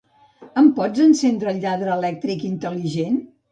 Em pots encendre el lladre elèctric intel·ligent?